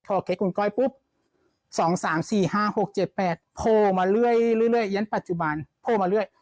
พอเก็ตคุณก้อยปุ๊บ๒๓๔๕๖๗๘โทรมาเรื่อยยั้นปัจจุบันโทรมาเรื่อย